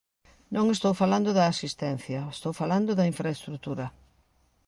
Non estou falando da asistencia, estou falando da infraestrutura.